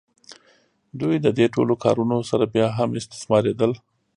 دوی د دې ټولو کارونو سره بیا هم استثماریدل.